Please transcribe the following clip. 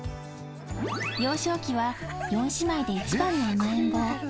幼少期は４姉妹で一番の甘えん坊。